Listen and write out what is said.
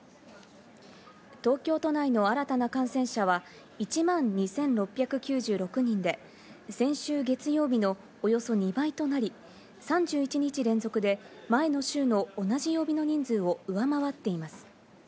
東京都内の新たな感染者は１万２６９６人で、先週月曜日のおよそ２倍となり、３１日連続で前の週の同じ曜日の人数を上回っています。